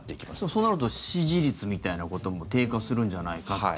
そうなると支持率みたいなことも低下するんじゃないかって。